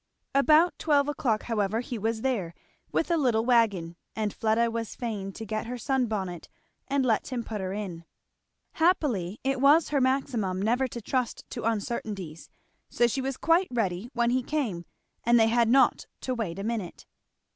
About twelve o'clock however he was there, with a little wagon, and Fleda was fain to get her sun bonnet and let him put her in. Happily it was her maxim never to trust to uncertainties, so she was quite ready when he came and they had not to wait a minute.